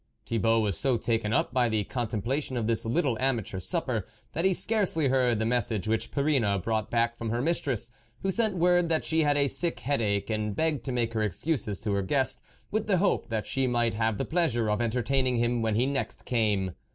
Thibault was so taken up in the con templation of this little amateur supper, that he scarcely heard the message which Perrine brought back from her mistress, who sent word that she had a sick head ache, and begged to make her excuses to her guest, with the hope that she might have the pleasure of entertaining him when he next came.